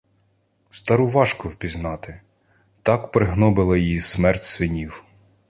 Стару важко впізнати — так пригнобила її смерть синів.